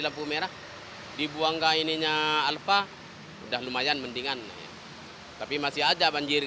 lampu merah dibuang ke ini nya alfa udah lumayan mendingan tapi masih aja banjir gitu